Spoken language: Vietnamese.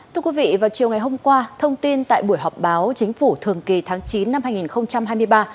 thưa quý vị vào chiều ngày hôm qua thông tin tại buổi họp báo chính phủ thường kỳ tháng chín năm hai nghìn hai mươi ba